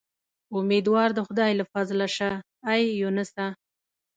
امیدوار د خدای له فضله شه اې یونسه.